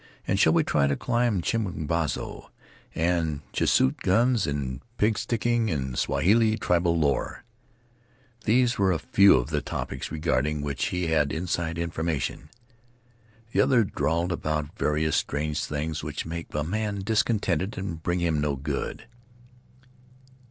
and Shall we try to climb Chimborazo? and Creussot guns and pig sticking and Swahili tribal lore. These were a few of the topics regarding which he had inside information. The others drawled about various strange things which make a man discontented and bring him no good.